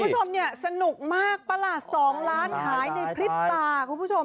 คุณผู้ชมเนี่ยสนุกมากประหลาด๒ล้านหายในพริบตาคุณผู้ชม